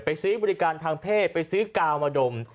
ซื้อบริการทางเพศไปซื้อกาวมาดม